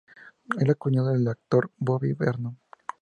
Era cuñado del actor Bobby Vernon.